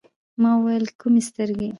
ما ویل: کومي سترګي ؟